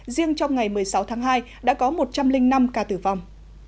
riêng trong ngày một mươi sáu tháng hai đã có một trăm linh năm ca tử vong